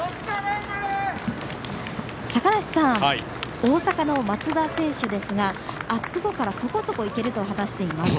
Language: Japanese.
大阪の松田選手ですがアップ後からそこそこいけると話しています。